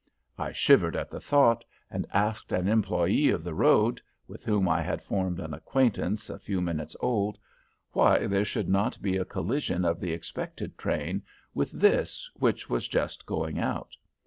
I shivered at the thought, and asked an employee of the road, with whom I had formed an acquaintance a few minutes old, why there should not be a collision of the expected train with this which was just going out.